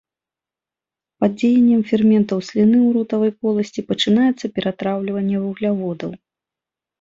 Пад дзеяннем ферментаў сліны ў ротавай поласці пачынаецца ператраўліванне вугляводаў.